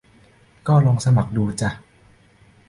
ก็ลองสมัครดูจ่ะ